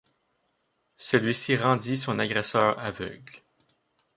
Celui-ci rendit son agresseur aveugle.